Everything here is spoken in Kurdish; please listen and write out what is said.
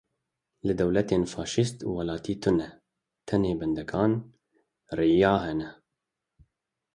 Li dewletên faşîst welatî tune ne, tenê bendegan, reaya hene.